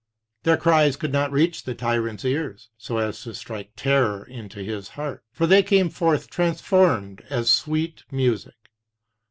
Their cries could not reach the tyrant's ears so as to strike terror into his heart, for they came forth transformed as sweet music.